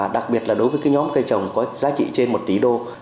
đặc biệt là đối với nhóm cây trồng có giá trị trên một tỷ usd